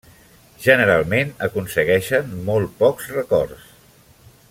Generalment aconsegueixen molt pocs rècords.